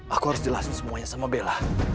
aku harus jelasin semuanya sama bella